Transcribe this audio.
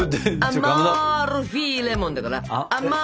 アマルフィレモンだから。